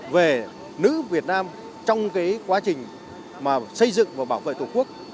về nữ việt nam trong cái quá trình mà xây dựng và bảo vệ tổ quốc